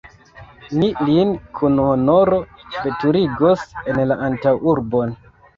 Ni lin kun honoro veturigos en la antaŭurbon.